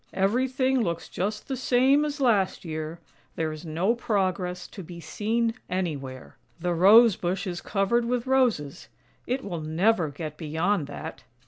" Everything looks just the same as last year; there is no progress to be seen anywhere. The Rose bush is covered with roses — it will never get beyond that."